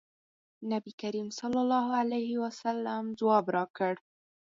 نبي کریم صلی الله علیه وسلم ځواب راکړ.